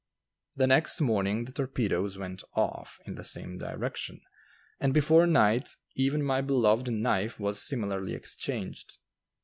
The next morning the torpedoes "went off" in the same direction, and before night even my beloved knife was similarly exchanged.